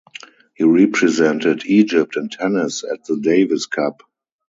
He represented Egypt in tennis at the Davis Cup.